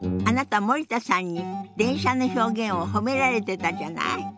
あなた森田さんに「電車」の表現を褒められてたじゃない。